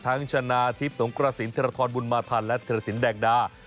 ทั้งชนะทิพย์สงกระศิลป์เทราทรบุญมาทัลและเทราศิลป์แดงดา